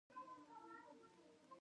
فقره یو مستقل مطلب وړاندي کوي.